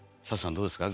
どうですか？